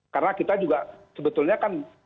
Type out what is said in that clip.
karena kita juga sebetulnya kan